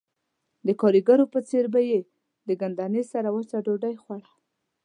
د ګاریګرو په څېر به یې د ګندنې سره وچه ډوډۍ خوړه